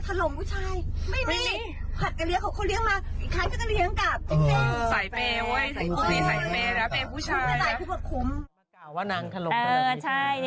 เก่าเนี่ย